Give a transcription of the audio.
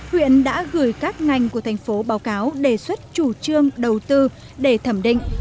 huyện đã gửi các ngành của thành phố báo cáo đề xuất chủ trương đầu tư để thẩm định